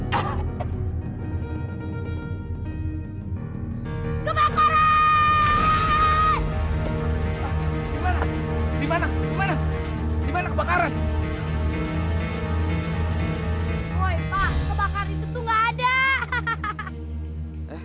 kebakaran itu enggak ada hahaha